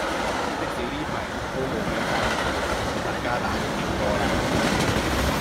的士呢排都無乜生意，大家打逆境波啦